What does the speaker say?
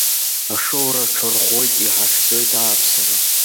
Ашоура аҽарӷәӷәоит, иҳахьӡоит ааԥсара.